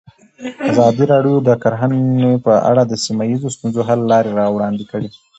ازادي راډیو د کرهنه په اړه د سیمه ییزو ستونزو حل لارې راوړاندې کړې.